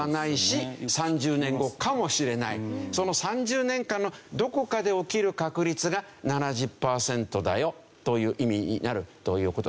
その３０年間のどこかで起きる確率が７０パーセントだよという意味になるという事ですね。